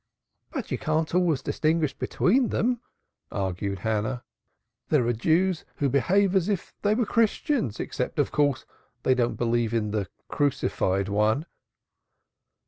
"But you can't always distinguish between them," argued Hannah. "There are Jews who behave as if they were Christians, except, of course, they don't believe in the Crucified One."